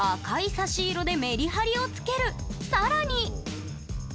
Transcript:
さらに！